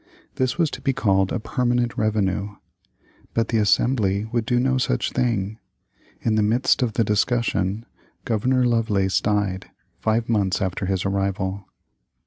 This was to be called a permanent revenue. But the Assembly would do no such thing. In the midst of the discussion, Governor Lovelace died, five months after his arrival.